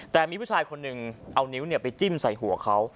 แต่มีผู้ชายคนหนึ่งเอานิ้วไปจิ้มใส่หัวเขา